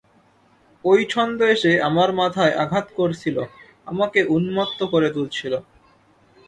ঐ ছন্দ এসে আমার মাথায় আঘাত করছিল, আমাকে উন্মত্ত করে তুলছিল।